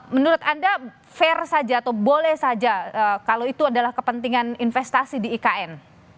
menurut anda fair saja atau boleh saja kalau itu adalah kepentingan investasi di ikn